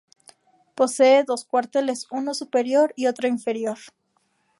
Posee dos cuarteles; uno superior y otro inferior.